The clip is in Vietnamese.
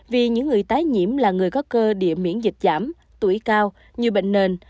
vì những người tái nhiễm là người có cơ địa miễn dịch giảm tuổi cao như bệnh nền